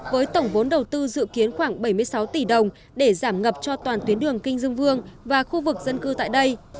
với tổng vốn đầu tư dự kiến khoảng bảy mươi sáu tỷ đồng để giảm ngập cho toàn tuyến đường kinh dương vương và khu vực dân cư tại đây